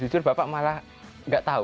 jujur bapak malah nggak tahu